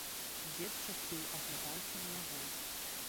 Дзед часцей аглядаўся на яго.